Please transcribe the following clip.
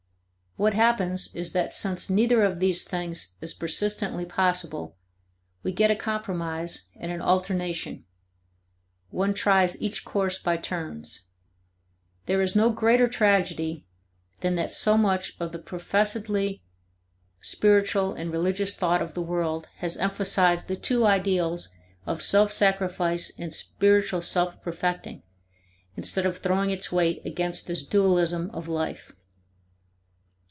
What happens is that since neither of these things is persistently possible, we get a compromise and an alternation. One tries each course by turns. There is no greater tragedy than that so much of the professedly spiritual and religious thought of the world has emphasized the two ideals of self sacrifice and spiritual self perfecting instead of throwing its weight against this dualism of life.